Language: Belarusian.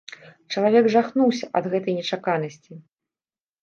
Чалавек жахнуўся ад гэтай нечаканасці.